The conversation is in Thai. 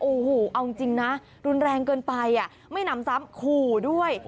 โอ้โหเอาจริงนะรุนแรงเกินไปไม่หนำซ้ำขู่ด้วย